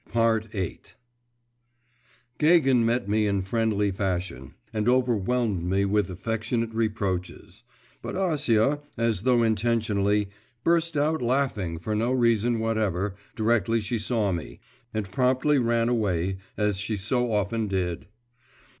VIII Gagin met me in friendly fashion, and overwhelmed me with affectionate reproaches; but Acia, as though intentionally, burst out laughing for no reason whatever, directly she saw me, and promptly ran away, as she so often did.